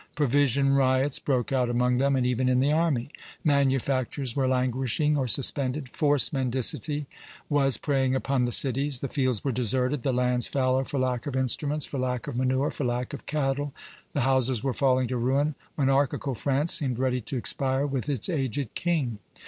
Provision riots broke out among them, and even in the army. Manufactures were languishing or suspended; forced mendicity was preying upon the cities. The fields were deserted, the lands fallow for lack of instruments, for lack of manure, for lack of cattle; the houses were falling to ruin. Monarchical France seemed ready to expire with its aged king."